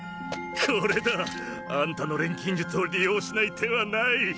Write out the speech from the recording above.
これだ！あんたの錬金術を利用しない手はない。